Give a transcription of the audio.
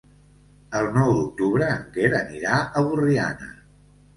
El nou d'octubre en Quer anirà a Borriana.